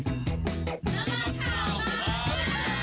นักรัมข่าวมาก